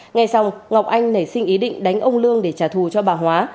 nghe xong ngọc anh nảy sinh ý định đánh ông lương để trả thù cho bà hóa